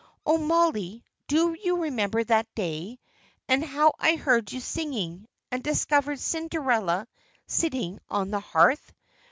Oh, Mollie, do you remember that day, and how I heard you singing, and discovered Cinderella sitting on the hearth?